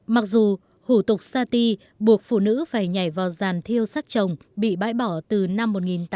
mặc dù hủ tục sati buộc phụ nữ phải nhảy vào giàn thiêu sắc chồng bị bãi bỏ từ năm một nghìn tám trăm hai mươi chín